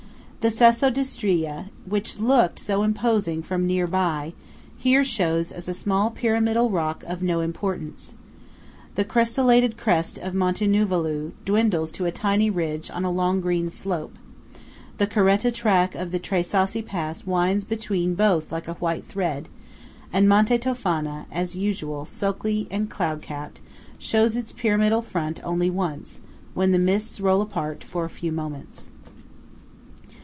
The Sasso d'Istria, which looked so imposing from near by, here shows as a small pyramidal rock of no importance; the crestallated crest of Monte Nuvulau dwindles to a tiny ridge on a long green slope; the caretta track of the Tre Sassi pass winds between both like a white thread; and Monte Tofana, as usual, sulky and cloud capped, shows its pyramidal front only once, when the mists roll apart for a few moments.